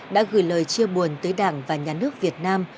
đã gửi lời chia buồn tới đảng và nhà nước việt nam